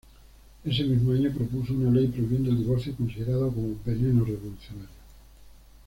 Ese mismo año propuso una ley prohibiendo el divorcio, considerado como "veneno revolucionario".